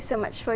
vì câu hỏi